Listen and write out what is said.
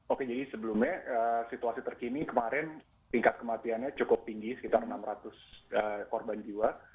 oke jadi sebelumnya situasi terkini kemarin tingkat kematiannya cukup tinggi sekitar enam ratus korban jiwa